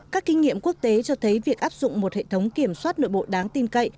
các kinh nghiệm quốc tế cho thấy việc áp dụng một hệ thống kiểm soát nội bộ đáng tin cậy